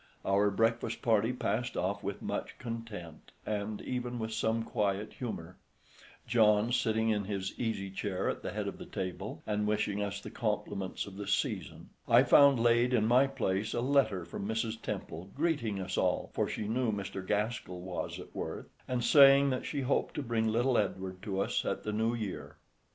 Our breakfast party passed off with much content, and even with some quiet humour, John sitting in his easy chair at the head of the table and wishing us the compliments of the season. I found laid in my place a letter from Mrs. Temple greeting us all (for she knew Mr. Gaskell was at Worth), and saying that she hoped to bring little Edward to us at the New Year.